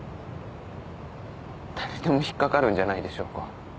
誰でも引っ掛かるんじゃないでしょうか。